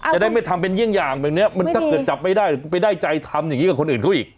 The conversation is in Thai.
จะได้ไม่ทำเป็นเยี่ยงอย่างแบบนี้มันถ้าเกิดจับไม่ได้ไปได้ใจทำอย่างนี้กับคนอื่นเขาอีก